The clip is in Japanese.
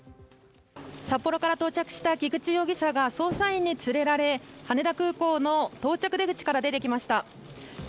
札幌から到着した菊池容疑者が捜査員に連れられ羽田空港の到着出口から出てきました。